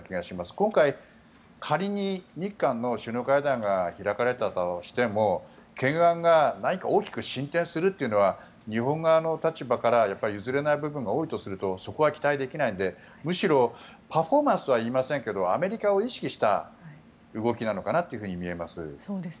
今回、仮に日韓の首脳会談が開かれたとしても懸案が何か大きく進展するというのは日本側の立場から譲れない部分が多いとするとそこは期待できないのでむしろ、パフォーマンスとは言いませんけどアメリカを意識した動きなのかなと見えます。